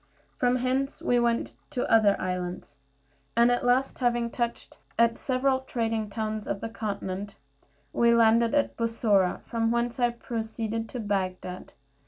From hence we went to other islands, and at last, having touched at several trading towns of the continent, we landed at Bussorah, from whence I proceeded to Bagdad.